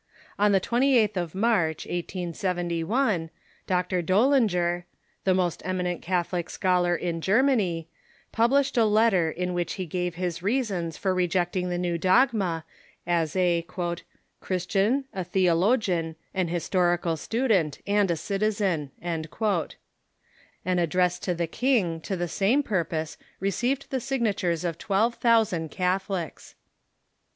On the 28th of March, 1871, Dr. Dullinger, the most eminent Catholic scholar in Germany, published a letter in which he gave his reasons for rejecting the new dogma as a " Christian, a theolo gian, an historical student, and a citizen." An address to the king to the same purpose received the signatures of twelve thousand Catholics.